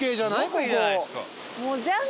ここ。